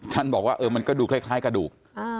ท่านบอกว่ามันกระดูกคล้ายกระดูก